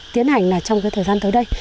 tiến hành là trong cái thời gian tới đây